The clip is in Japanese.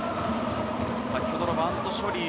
先ほどのバント処理